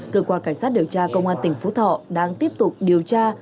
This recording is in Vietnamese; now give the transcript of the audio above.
cơ quan cảnh sát điều tra công an tỉnh phú thọ đang tiếp tục điều tra